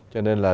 cho nên là